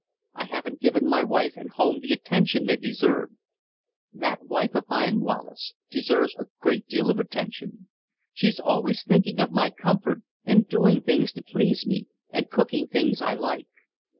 I haven't given my wife and my home the attention they deserve. That wife of mine, Wallace, deserves a great deal of attention. She's always thinking of my comfort, and doing things to please me, and cooking things I like.